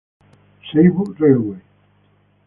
Seibu Railway